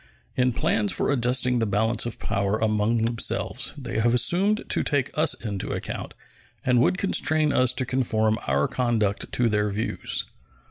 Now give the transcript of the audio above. In plans for adjusting the balance of power among themselves they have assumed to take us into account, and would constrain us to conform our conduct to their views.